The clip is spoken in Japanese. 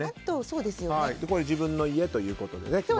自分の家ということで。